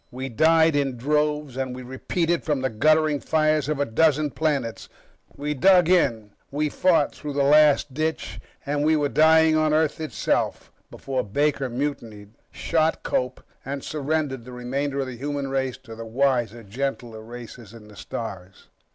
We died in droves, and we retreated from the guttering fires of a dozen planets, we dug in, we fought through the last ditch, and we were dying on Earth itself before Baker mutinied, shot Cope, and surrendered the remainder of the human race to the wiser, gentler races in the stars.